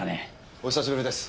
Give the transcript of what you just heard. お久しぶりです